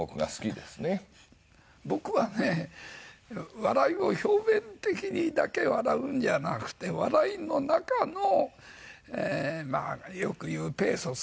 僕はね笑いを表面的にだけ笑うんじゃなくて笑いの中のまあよく言うペーソスとか悲しい笑いとか。